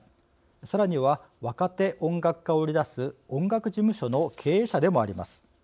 さらには若手音楽家を売り出す音楽事務所の経営者でもあります。